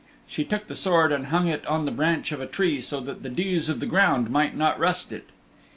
She took the sword and hung it on the branch of a tree so that the dews of the ground might not rust it.